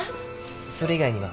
それ以外には？